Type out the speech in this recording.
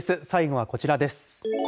最後はこちらです。